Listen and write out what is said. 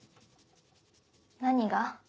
何が？